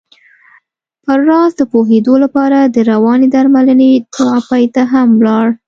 پر راز د پوهېدو لپاره د روانې درملنې تراپۍ ته هم ولاړ.